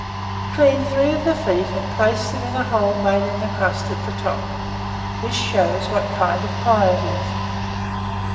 Clean three of the feet, and place them in a hole made in the crust at the top: this shows what kind of pie it is.